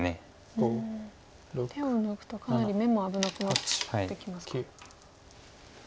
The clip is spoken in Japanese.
手を抜くとかなり眼も危なくなってきますか。